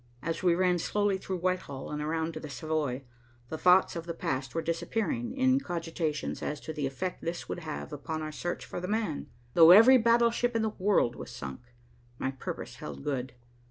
As we ran slowly through Whitehall and around to the Savoy, the thoughts of the past were disappearing in cogitations as to the effect this would have upon our search for "the man." Though every battleship in the world was sunk, my purpose held good.